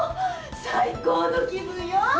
最高の気分よ。